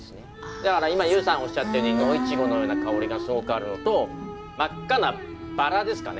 だから今優さんおっしゃったように野いちごのような香りがすごくあるのと真っ赤なバラですかね